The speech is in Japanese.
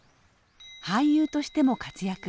俳優としても活躍。